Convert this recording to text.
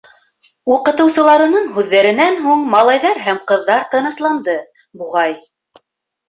Уҡытыусыларының һүҙҙәренән һуң малайҙар һәм ҡыҙҙар тынысланды, буғай.